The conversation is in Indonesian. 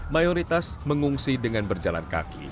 mayoritas mengungsi dengan berjalan kaki